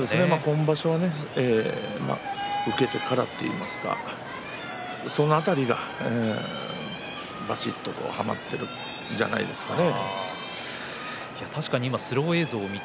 今場所は負けてからと言いますか、その辺りはばちっとはまっているんじゃないでしょうかね。